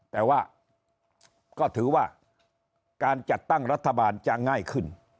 แต่ว่าก็ถือว่าการจัดตั้งรัฐบาลจะง่ายขึ้น